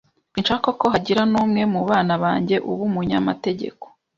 Sinshaka ko hagira n'umwe mu bana banjye uba umunyamategeko.